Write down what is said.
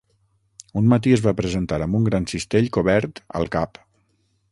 Un matí es va presentar amb un gran cistell cobert al cap.